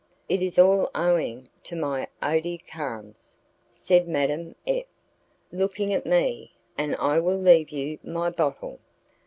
"It is all owing to my Eau des carmes," said Madame F , looking at me, "and I will leave you my bottle."